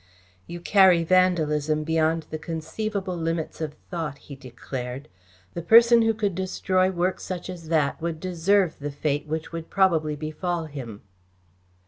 "You carry vandalism beyond the conceivable limits of thought," he declared. "The person who could destroy work such as that would deserve the fate which would probably befall him."